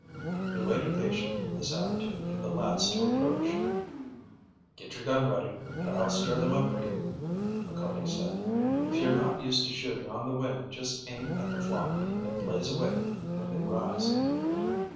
He waited patiently in this attitude for the lads to approach. "Get your gun ready, and I'll scare them up for you," McCarty said. "If you are not used to shooting on the wing just aim at the flock and blaze away when they rise."